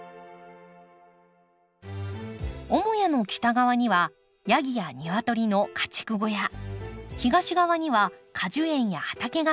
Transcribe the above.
母屋の北側にはヤギやニワトリの家畜小屋東側には果樹園や畑が広がります。